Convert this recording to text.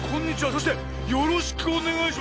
そしてよろしくおねがいします。